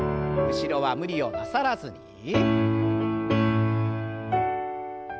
後ろは無理をなさらずに。